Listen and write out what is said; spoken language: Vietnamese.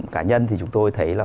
cá nhân thì chúng tôi thấy là